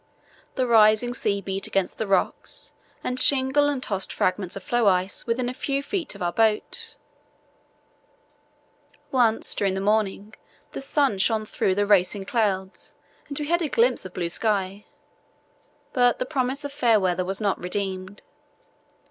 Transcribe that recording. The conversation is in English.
The rising sea beat against the rocks and shingle and tossed fragments of floe ice within a few feet of our boats. Once during the morning the sun shone through the racing clouds and we had a glimpse of blue sky; but the promise of fair weather was not redeemed.